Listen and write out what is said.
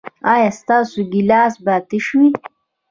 ایا ستاسو ګیلاس به تش وي؟